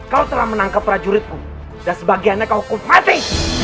kau telah menangkap prajuritku dan sebagiannya kau hukum mati